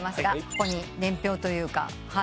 ここに年表というか。